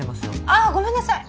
ああごめんなさい。